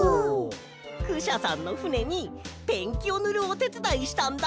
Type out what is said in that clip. クシャさんのふねにペンキをぬるおてつだいしたんだ！